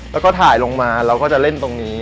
แล้วก็ถ่ายลงมาเราก็จะเล่นตรงนี้